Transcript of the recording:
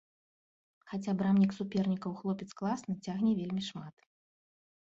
Хаця брамнік супернікаў хлопец класны, цягне вельмі шмат.